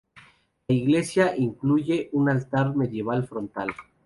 La iglesia incluye un altar medieval frontal.